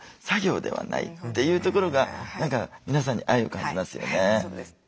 作業ではないというところが何か皆さんに愛を感じますよね。